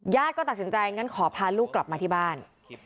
ก็ตัดสินใจงั้นขอพาลูกกลับมาที่บ้าน